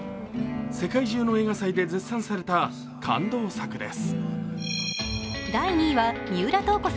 世界中の映画祭で絶賛された感動作です。